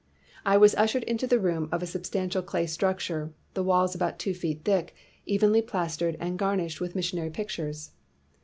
' "I was ushered into the room of a sub stantial clay structure, the walls about two feet thick, evenly plastered, and garnished with missionary pictures.